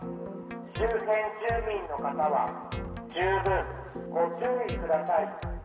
周辺住民の方は十分ご注意ください。